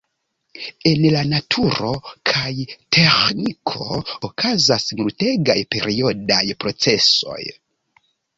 En la naturo kaj teĥniko okazas multegaj periodaj procesoj.